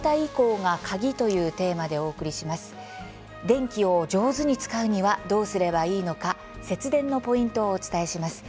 電気を上手に使うにはどうすればいいのか節電のポイントをお伝えします。